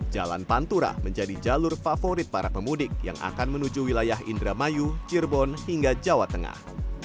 jalan pantura menjadi jalur favorit para pemudik yang akan menuju wilayah indramayu cirebon hingga jawa tengah